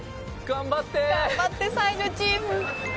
頑張って才女チーム。